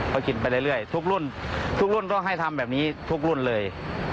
ก็กินไปเรื่อยทุกรุ่นทุกรุ่นก็ให้ทำแบบนี้ทุกรุ่นเลย